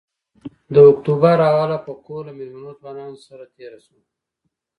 د اکتوبر اوله په کور له مېلمنو ځوانانو سره تېره شوه.